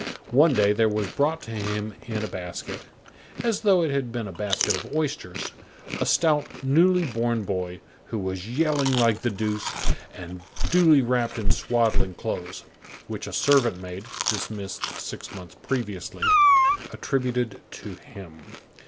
One day, there was brought to him in a basket, as though it had been a basket of oysters, a stout, newly born boy, who was yelling like the deuce, and duly wrapped in swaddling clothes, which a servant maid, dismissed six months previously, attributed to him.